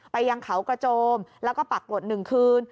ไปยังเขากระโจมแล้วก็ปรากฏหนึ่งคืน